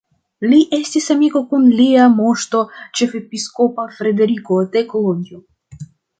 Li estis amiko kun lia moŝto ĉefepiskopa Frederiko de Kolonjo.